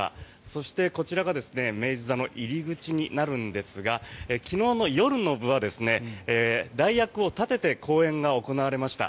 そして、こちらが明治座の入り口になるんですが昨日の夜の部は代役を立てて公演が行われました。